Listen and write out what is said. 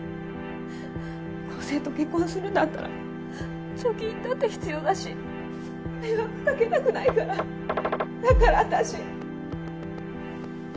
光晴と結婚するんだったら貯金だって必要だし迷惑かけたくないからだから私。